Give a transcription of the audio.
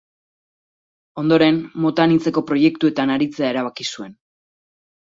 Ondoren, mota anitzeko proiektuetan aritzea erabaki zuen.